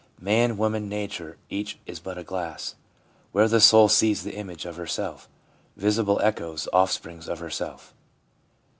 Man, Woman, Nature, each is but a glass Where the soul sees the image of herself, Visible echoes, offsprings of herself."